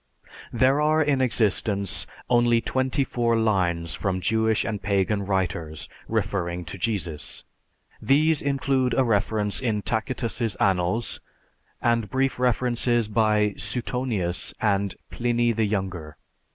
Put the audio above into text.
There are in existence only twenty four lines from Jewish and Pagan writers referring to Jesus. These include a reference in Tacitus' Annals, and brief references by Suetonius and Pliny the Younger.